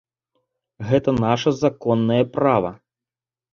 Гэта наша законнае права.